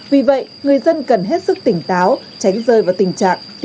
vì vậy người dân cần hết sức tỉnh táo tránh rơi vào tình trạng tiền mất tật kỳ